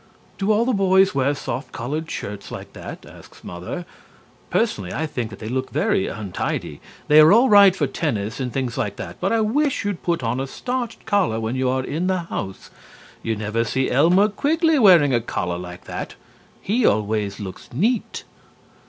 "Do all the boys wear soft collared shirts like that?" asks Mother. "Personally, I think that they look very untidy. They are all right for tennis and things like that, but I wish you'd put on a starched collar when you are in the house. You never see Elmer Quiggly wearing a collar like that. He always looks neat."